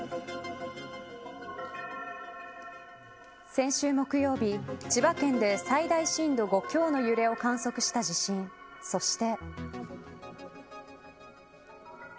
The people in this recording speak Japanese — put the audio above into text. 先週木曜日千葉県で最大震度５強の揺れを観測した地震そして。